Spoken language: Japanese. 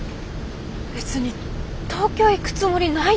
別に東京行くつもりないよ